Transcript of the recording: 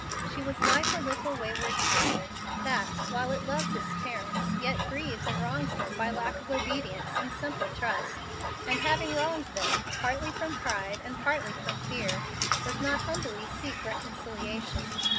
She was like a little wayward child, that, while it loves its parents, yet grieves and wrongs them by lack of obedience and simple trust, and having wronged them, partly from pride and partly from fear, does not humbly seek reconciliation.